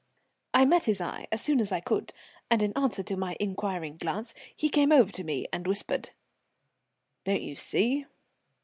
I met his eye as soon as I could, and, in answer to my inquiring glance, he came over to me and whispered: "Don't you see?